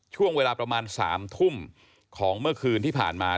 ช่วงเวลาประมาณ๓ทุ่มของเมื่อคืนที่ผ่านมา